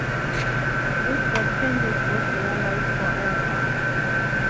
This bet changes both their lives forever.